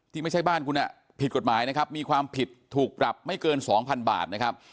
ไม่ใช่บ้านคุณผิดกฎหมายนะครับมีความผิดถูกปรับไม่เกิน๒๐๐๐บาทนะครับ